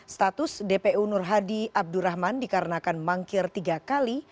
status dpu nur hadi abdurrahman dikarenakan mangkir tiga kali